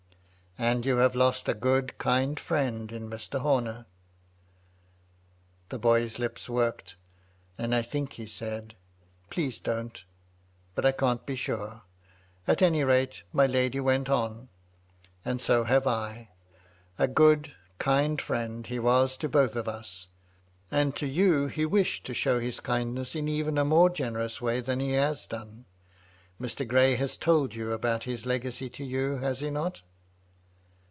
"And you have lost a good, kind friend, in Mr. Homer." The boy's lips worked, and I think he said, " Please, don't." But I can't be sure ; at any rate, my lady went on : MY LUDY LUDLOW. 285 " And so have I, — ^a good, kind fiiend, he was to both of us ; and to you he wished to show his kindness in even a more generous way than he has done. Mr. Gray has told you about his legacy to you, has he not